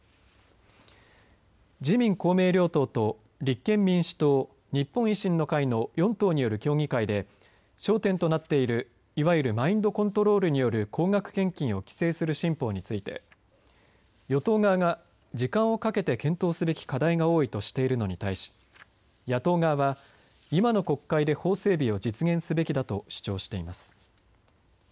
自民、公明両党と立憲民主党日本維新の会の４党による協議会で焦点となっている、いわゆるマインドコントロールによる高額献金を規制する新法について与党側が時間をかけて検討すべき課題が多いとしているのに対し野党側は今の国会で法整備を実現するべきだと主張しています。